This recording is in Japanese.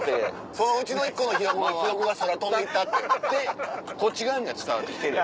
そのうちの１個のひよ子が空飛んでいったって。ってこっち側には伝わってきてるよ。